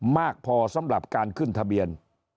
มากพอสำหรับการขึ้นทะเบียน